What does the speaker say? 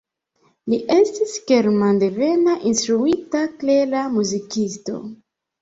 Li estis germandevena instruita, klera muzikisto.